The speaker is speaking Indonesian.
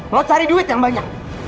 mau cari duit yang banyak